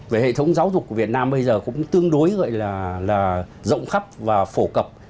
về hệ thống giáo dục của việt nam bây giờ cũng tương đối gọi là rộng khắp và phổ cập